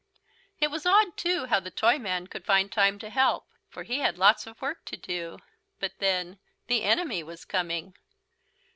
It was odd, too, how the Toyman could find time to help. For he had lots of work to do. But then the enemy was coming!